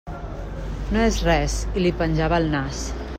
No és res, i li penjava el nas.